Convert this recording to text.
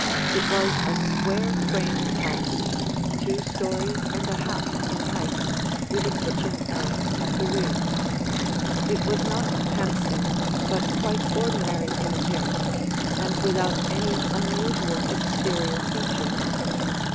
It was a square framed house, two stories and a half in height, with a kitchen ell at the rear. It was not handsome but quite ordinary in appearance and without any unusual exterior features.